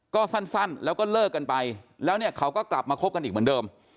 ก็สั้นแล้วก็เลิกกันไปแล้วเนี่ยเขาก็กลับมาคบกันอีกเหมือนเดิม